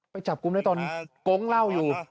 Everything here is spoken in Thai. ไปจับกลุ่มได้ตอนโก๊งเหล้าอยู่